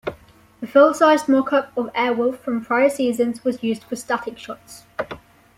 The full-sized mock-up of Airwolf from prior seasons was used for static shots.